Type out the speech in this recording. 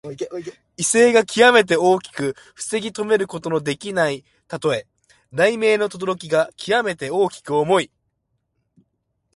威勢がきわめて大きく防ぎとめることのできないたとえ。雷鳴のとどろきがきわめて大きく重い。